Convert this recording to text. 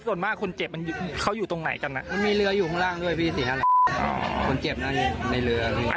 ก็คือมันยืนเต็มหมดแล้วใช่ไม่ทันแล้วเผลอช่วงมันละ